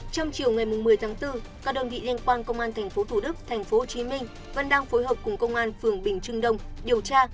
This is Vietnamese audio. trong chiều ngày một mươi tháng bốn các đơn vị liên quan công an tp thủ đức tp hcm vẫn đang phối hợp cùng công an phường bình trưng đông điều tra